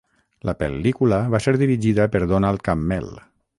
La pel·lícula va ser dirigida per Donald Cammell.